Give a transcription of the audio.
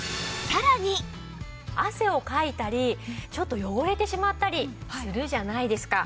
汗をかいたりちょっと汚れてしまったりするじゃないですか。